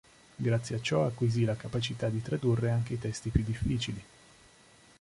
Grazie a ciò acquisì la capacità di tradurre anche i testi più difficili.